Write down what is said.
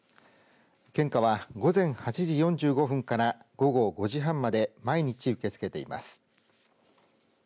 献花は午前８時４５分から午後５時半まで毎日、受け付けています。